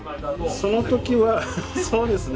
その時はそうですね